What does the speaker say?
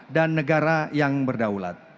dan negara yang berdaulat